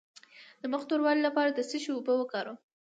د مخ د توروالي لپاره د څه شي اوبه وکاروم؟